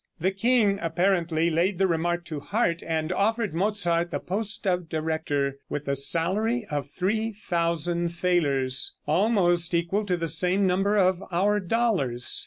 The king apparently laid the remark to heart, and offered Mozart the post of director, with a salary of 3,000 thalers, almost equal to the same number of our dollars.